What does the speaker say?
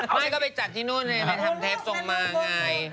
ไม่ก็เป็นจากที่นู่นเนี่ยถูกมาไง